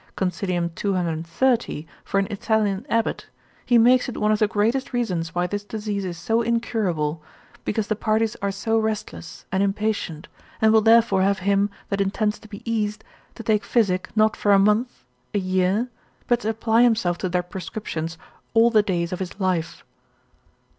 Consil. 230. for an Italian Abbot, he makes it one of the greatest reasons why this disease is so incurable, because the parties are so restless, and impatient, and will therefore have him that intends to be eased, to take physic, not for a month, a year, but to apply himself to their prescriptions all the days of his life.